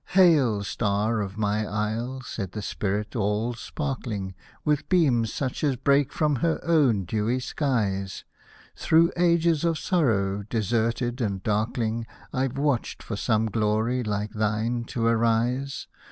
^' Hail, Star of my Isle !" said the Spirit, all spark ling With beams, such as break from her own dewy skies — Hosted by Google WHILE HISTORY'S MUSE 33 "Through ages of sorrow, deserted and darkling, I've watched for some glory like thine to arise.